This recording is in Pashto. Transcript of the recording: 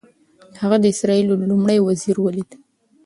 هغه د اسرائیلو لومړي وزیر ولید.